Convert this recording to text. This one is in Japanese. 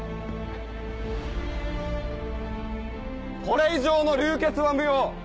これ以上の流血は無用。